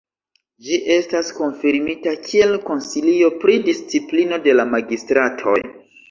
Ĝi estas konfirmita kiel konsilio pri disciplino de la magistratoj.